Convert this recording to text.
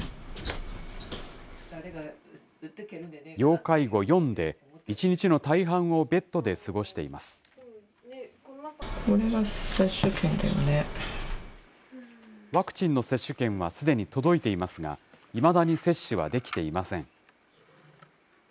要介護４で１日の大半をベッワクチンの接種券はすでに届いていますが、いまだに接種はできていません。